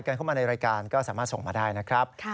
กันเข้ามาในรายการก็สามารถส่งมาได้นะครับ